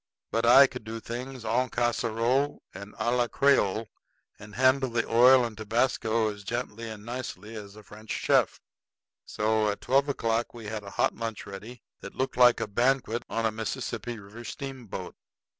But I could do things en casserole and à la creole, and handle the oil and tobasco as gently and nicely as a French chef. So at twelve o'clock we had a hot lunch ready that looked like a banquet on a Mississippi River steamboat.